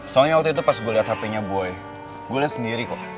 soalnya waktu itu pas gue liat hpnya boy gue liat sendiri kok